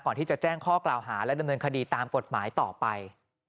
ก่อนที่จะแจ้งข้อกล่าวหาและดำเนินคดีตามกฎหมายต่อไป